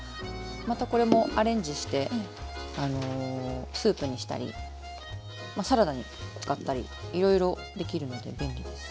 またこれもアレンジしてスープにしたりサラダに使ったりいろいろできるので便利です。